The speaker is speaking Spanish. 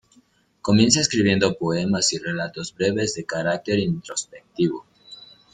Comienza escribiendo poemas y relatos breves de carácter introspectivo.